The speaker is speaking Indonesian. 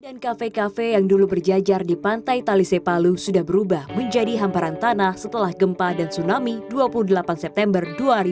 kafe kafe yang dulu berjajar di pantai talise palu sudah berubah menjadi hamparan tanah setelah gempa dan tsunami dua puluh delapan september dua ribu dua puluh